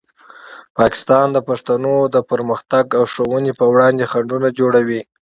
پاکستان د پښتنو د پرمختګ او ښوونې په وړاندې خنډونه جوړوي.